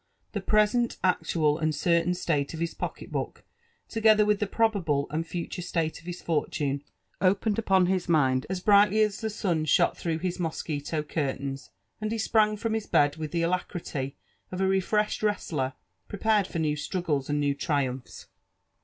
The present, actual, *nd certain state of his pocket book, together with the probable and fatnre slate of his fortune, opened upon his mind as brightly as the sun iliot through his mosquito curtains ; and he sprang from his bed with the alacrity of a refreshed wrestler prepared for new struggles and new triumphs.